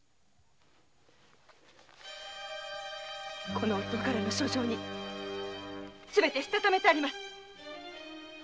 この夫からの書状にすべてしたためてあります。